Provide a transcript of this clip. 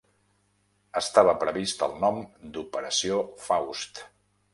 Estava previst el nom d'Operació Faust.